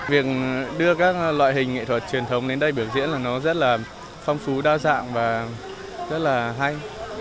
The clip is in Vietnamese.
việc đưa các loại hình nghệ thuật truyền thống đến đây biểu diễn là nó rất là phong phú đa dạng và rất là hay